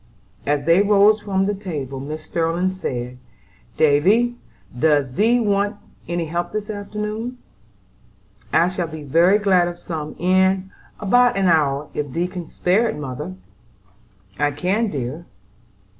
As they rose from table, Mrs. Sterling said: "Davy, does thee want any help this afternoon?" "I shall be very glad of some in about an hour if thee can spare it, mother." "I can, dear."